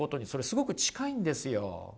すごく近いんですよ。